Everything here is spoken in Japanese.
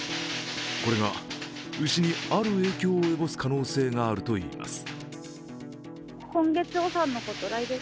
これが牛にある影響を及ぼす可能性があるといいます。